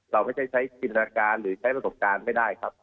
เราไม่ใช่ใช้จินตนาการหรือใช้ประสบการณ์ไม่ได้ครับ